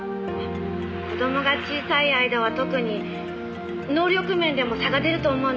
「子供が小さい間は特に能力面でも差が出ると思うんです」